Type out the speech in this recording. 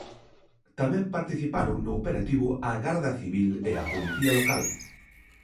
Tamén participaron no operativo a Garda Civil e a Policía Local.